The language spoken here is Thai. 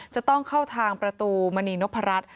จะต้องเข้าทางประตูมณีนพรัช